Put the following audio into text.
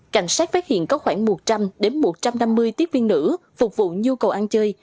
cảnh sát phát hiện có khoảng một trăm linh một trăm năm mươi tiếp viên nữ phục vụ nhu cầu ăn chơi